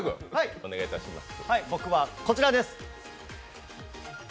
僕はこちらです。